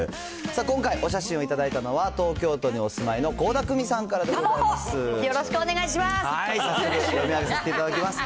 今回、お写真を頂いたのは、東京都にお住まいの倖田來未さんからでござよろしくお願いします。